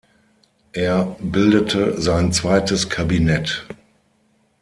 Er bildete sein zweites Kabinett.